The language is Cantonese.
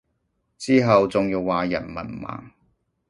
之後仲要話人文盲